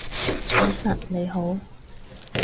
早晨你好